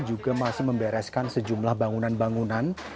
juga masih membereskan sejumlah bangunan bangunan